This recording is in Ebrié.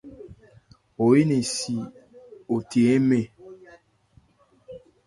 Wo énɛn si wo the hɛ́nmɛn.